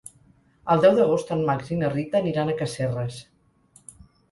El deu d'agost en Max i na Rita aniran a Casserres.